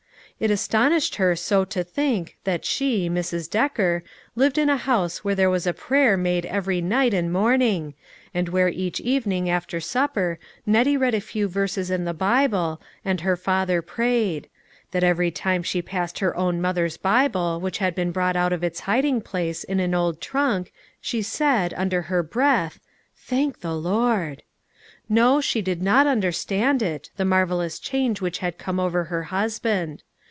^It astonished her so to think that she, Mrs. Decker, lived in a house where there was a prayer made every night and * morning, and where each evening after supper Nettie read a few verses in the Bible, and her father prayed ; that every time she passed her own mother's Bible which had been brought out of its hiding place in an old trunk, she said, under her breath, "Thank the Lord." No, she did not understand it, the marvelous change which had come over her husband.